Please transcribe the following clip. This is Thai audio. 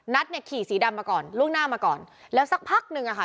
เนี่ยขี่สีดำมาก่อนล่วงหน้ามาก่อนแล้วสักพักหนึ่งอ่ะค่ะ